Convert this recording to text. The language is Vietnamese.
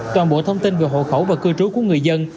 toàn bộ thông tin về hộ khẩu và cư trú của người dân